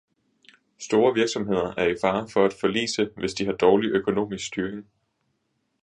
Store virksomheder er i fare for at forlise, hvis de har dårlig økonomisk styring.